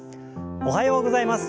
おはようございます。